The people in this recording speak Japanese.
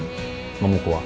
桃子は？